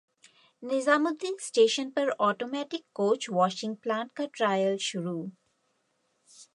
Nizamuddin station पर automatic coach washing plant का trial शुरू